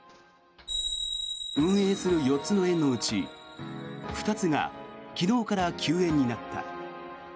運営する４つの園のうち２つが昨日から休園になった。